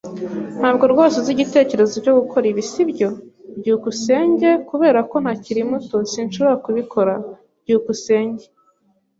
Ntabwo rwose uzi igitekerezo cyo gukora ibi, sibyo? byukusenge Kubera ko ntakiri muto, sinshobora kubikora. byukusenge